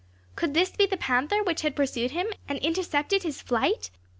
Could this be the panther which had pursued him, and intercepted his flight!